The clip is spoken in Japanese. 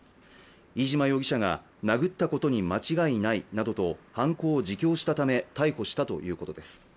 飯島容疑者が殴ったことに間違いないなどと犯行を自供したため逮捕したということです。